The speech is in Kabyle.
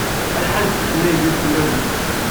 Acḥal seg-sen ay d iselmaden?